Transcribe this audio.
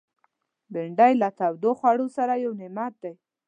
بېنډۍ له تودو خوړو سره یو نعمت دی